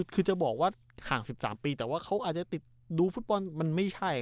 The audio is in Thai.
คือจะบอกว่าห่าง๑๓ปีแต่ว่าเขาอาจจะติดดูฟุตบอลมันไม่ใช่